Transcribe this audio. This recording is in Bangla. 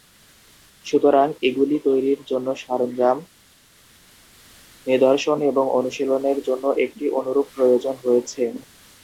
সুতরাং এগুলি তৈরির জন্য সরঞ্জাম, নিদর্শন এবং অনুশীলনের জন্য একটি অনুরূপ প্রয়োজন রয়েছে।